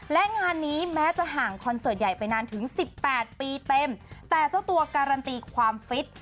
และงานนี้แม้จะห่างคอนเสิร์ตใหญ่ไปนานถึงสิบแปดปีเต็มแต่เจ้าตัวการันตีความฟิต